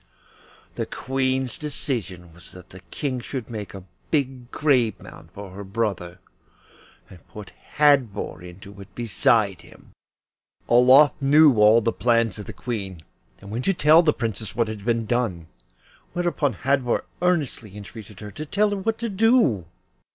The Queen's decision was that the King should make a big grave mound for her brother, and put Hadvor into it beside him. Olof knew all the plans of the Queen, and went to tell the Princess what had been done, whereupon Hadvor earnestly entreated her to tell her what to do.